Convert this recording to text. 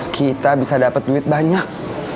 kita bisa dapat duit banyak